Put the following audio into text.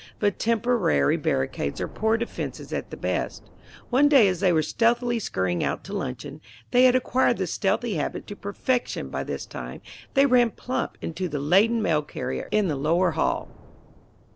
But temporary barricades are poor defenses at the best. One day as they were stealthily scurrying out to luncheon they had acquired the stealthy habit to perfection by this time they ran plump into the laden mail carrier in the lower hall.